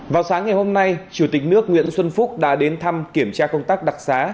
vào sáng ngày hôm nay chủ tịch nước nguyễn xuân phúc đã đến thăm kiểm tra công tác đặc xá